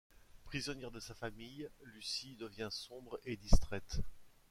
Prisonnière de sa famille, Lucy devient sombre et distraite.